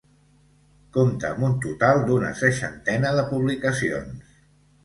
Compta amb un total d'una seixantena de publicacions.